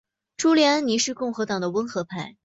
朱利安尼是共和党的温和派。